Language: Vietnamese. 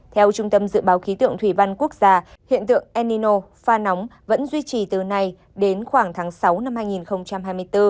theo trung tâm dự báo khí tượng thủy văn quốc gia hiện tượng enino pha nóng vẫn duy trì từ nay đến khoảng tháng sáu năm hai nghìn hai mươi bốn